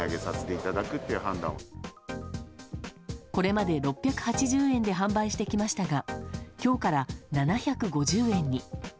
これまで６８０円で販売してきましたが今日から７５０円に。